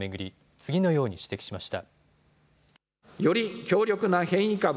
次のように指摘しました。